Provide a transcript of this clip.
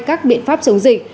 các biện pháp chống dịch